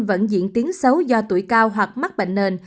vẫn diễn tiến xấu do tuổi cao hoặc mắc bệnh nền